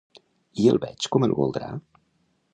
I el veig com el voldrà?